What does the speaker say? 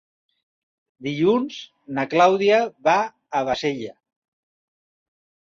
Dilluns na Clàudia va a Bassella.